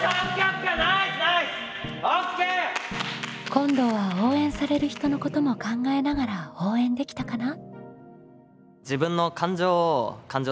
今度は応援される人のことも考えながら応援できたかな？